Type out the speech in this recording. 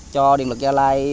cho điện lực gia lai